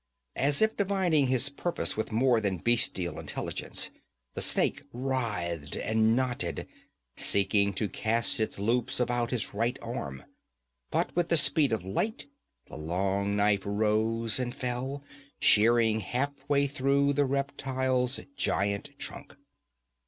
As if divining his purpose with more than bestial intelligence, the snake writhed and knotted, seeking to cast its loops about his right arm. But with the speed of light the long knife rose and fell, shearing halfway through the reptile's giant trunk.